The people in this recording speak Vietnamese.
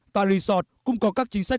tại resort cũng có các chính sách